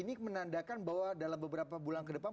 ini menandakan bahwa dalam beberapa bulan ke depan